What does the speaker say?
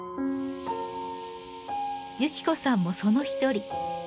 幸子さんもその一人。